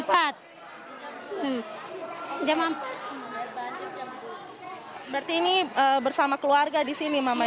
berarti ini bersama keluarga di sini mama ya